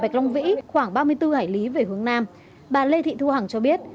bộ ngoại giao lê thị thu hằng cho biết